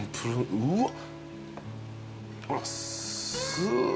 うわっ。